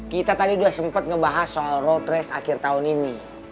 kita tadi sudah sempat ngebahas soal road race akhir tahun ini